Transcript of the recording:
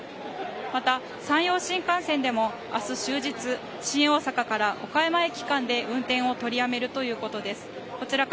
また、山陽新幹線でも明日終日新大阪岡山駅間で運転を取りやめるということです。